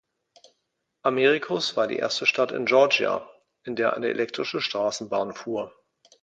Americus war die erste Stadt in Georgia, in der eine elektrische Straßenbahn fuhr.